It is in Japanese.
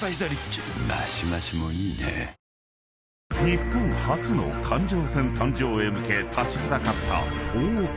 ［日本初の環状線誕生へ向け立ちはだかった］